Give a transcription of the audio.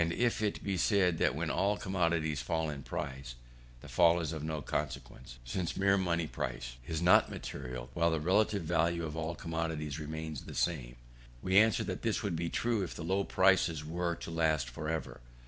If it be said that when all commodities fall in price, the fall is of no consequence, since mere money price is not material while the relative value of all commodities remains the same, we answer that this would be true if the low prices were to last for ever.